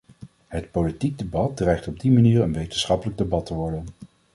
Het politiek debat dreigt op die manier een wetenschappelijk debat te worden.